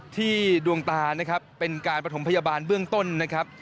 ดวงตานะครับเป็นการประถมพยาบาลเบื้องต้นนะครับ